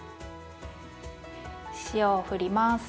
塩をふります。